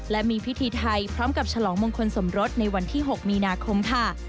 และมีพิธีไทยพร้อมกับฉลองมงคลสมรสในวันที่๖มีนาคมค่ะ